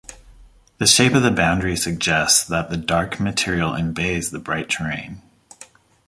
The shape of the boundary suggests that the dark material embays the bright terrain.